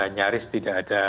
nyaris tidak ada